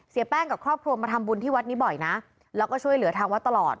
แป้งกับครอบครัวมาทำบุญที่วัดนี้บ่อยนะแล้วก็ช่วยเหลือทางวัดตลอด